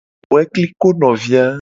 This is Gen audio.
Eboe kliko novi a.